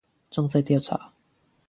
正在調查